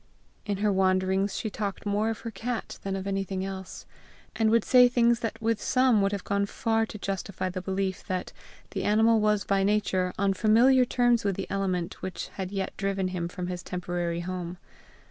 In her wanderings she talked more of her cat than of anything else, and would say things that with some would have gone far to justify the belief that the animal was by nature on familiar terms with the element which had yet driven him from his temporary home.